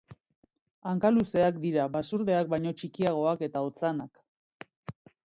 Hankaluzeak dira, basurdeak baino txikiagoak eta otzanak.